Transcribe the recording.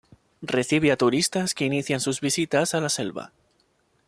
Recibe a turistas que inician sus visitas a la selva.